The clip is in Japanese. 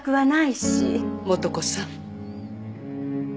元子さん。